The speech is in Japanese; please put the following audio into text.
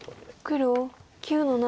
黒９の七。